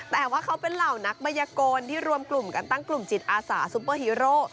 แต่ว่าเขาเป็นเหล่านักบรรยากลที่รวมกลุ่มกันตั้งกลุ่มจิตอาสาซุปเปอร์ฮีโร่